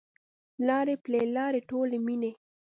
لارې پل لارې ټولي میینې